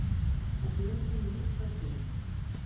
Et donem cinc minuts per a fer-ho.